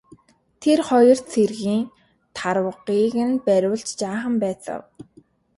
Тэр хоёр цэргийг тарвагыг нь бариулж жаахан байцаав.